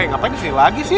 ngapain di sini lagi sih